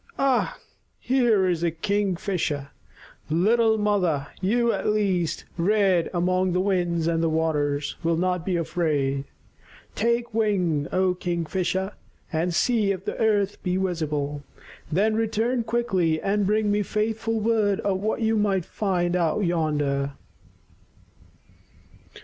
Ah, here is the Kingfisher. Little mother, you at least, reared among the winds and waters, will not be afraid. Take wing, O Kingfisher, and see if the earth be visible. Then return quickly and bring me faithful word of what you find out yonder."